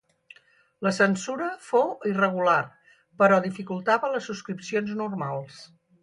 La censura fou irregular però dificultava les subscripcions normals.